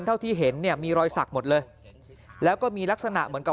เท่าที่เห็นเนี่ยมีรอยสักหมดเลยแล้วก็มีลักษณะเหมือนกับ